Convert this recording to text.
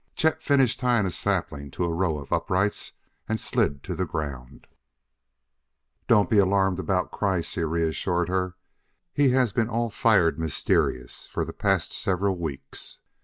Chet finished tying a sapling to a row of uprights and slid to the ground. "Don't be alarmed about Kreiss," he reassured her. "He has been all fired mysterious for the past several weeks.